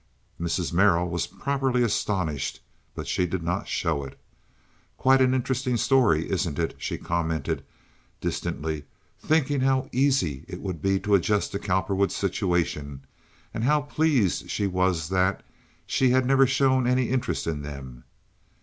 Mrs. Merrill was properly astonished, but she did not show it. "Quite an interesting story, isn't it?" she commented, distantly, thinking how easy it would be to adjust the Cowperwood situation, and how pleased she was that she had never shown any interest in them.